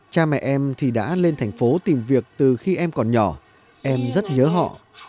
cha mẹ em thì đã lên thành phố tìm việc từ khi em còn nhỏ em rất nhớ họ